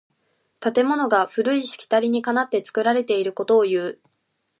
建物が古いしきたりにかなって作られていることをいう。